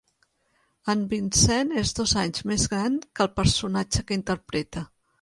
En Vincent és dos anys més gran que el personatge que interpreta.